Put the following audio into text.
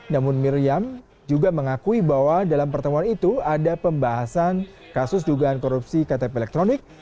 namun miriam juga mengakui bahwa dalam pertemuan itu ada pembahasan kasus dugaan korupsi ktp elektronik